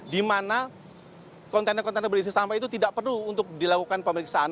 di mana kontainer kontainer berisi sampah itu tidak perlu untuk dilakukan pemeriksaan